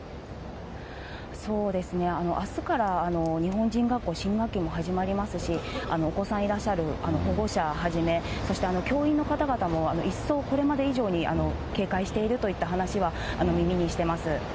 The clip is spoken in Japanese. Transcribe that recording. そうですね、あすから日本人学校、新学期も始まりますし、お子さんいらっしゃる保護者はじめ、そして教員の方々も、一層これまで以上に警戒しているといった話は耳にしてます。